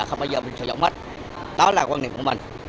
không bao giờ mình sử dụng hết đó là quan niệm của mình